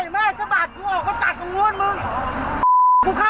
เปิดไฟขอทางออกมาแล้วอ่ะ